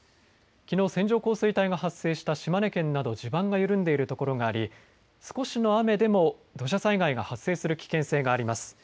きのう線状降水帯が発生した島根県など地盤が緩んでいる所があり少しの雨でも土砂災害が発生する危険性があります。